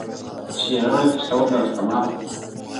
چي يې غړي تښتول د رستمانو!.